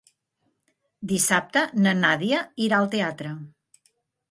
Dissabte na Nàdia irà al teatre.